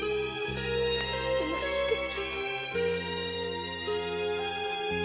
生まれてきて。